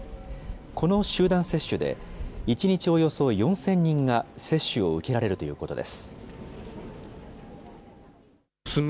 この集団接種で、１日およそ４０００人が接種を受けられるということです。